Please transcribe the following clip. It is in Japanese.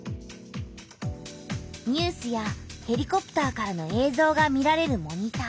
ニュースやヘリコプターからのえいぞうが見られるモニター。